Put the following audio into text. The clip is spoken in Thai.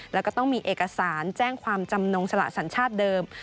แล้วก็ต้องมีเอกสารแจ้งความจำนงสละสัญชาติเดิม